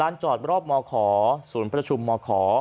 จอดรอบมขอศูนย์ประชุมมข